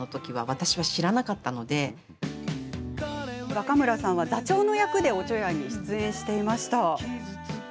若村さん、座長の役で「おちょやん」に出演していました。